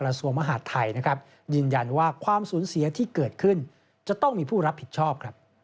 กราศวมหาดไทยจินยันว่าความสูญเสียที่เกิดขึ้นจะต้องมีผู้รับผิดชอบ